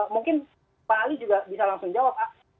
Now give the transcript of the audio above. mungkin pak ali juga bisa langsung jawab pak